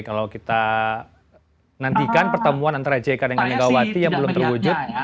kalau kita nantikan pertemuan antara jk dengan negawati yang belum terwujud